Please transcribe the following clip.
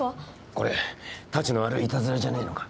これタチの悪いイタズラじゃねえのか？